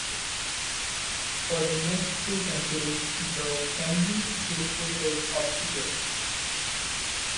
For the next two centuries the family history is obscure.